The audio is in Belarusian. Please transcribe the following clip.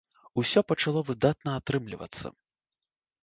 Усё пачало выдатна атрымлівацца.